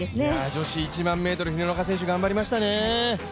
女子１００００ｍ、廣中選手頑張りましたね。